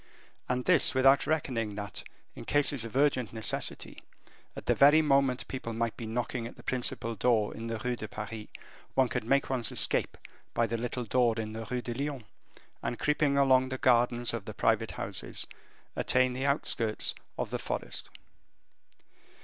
And this without reckoning that, in cases of urgent necessity, at the very moment people might be knocking at the principal door in the Rue de Paris, one could make one's escape by the little door in the Rue de Lyon, and, creeping along the gardens of the private houses, attain the outskirts of the forest.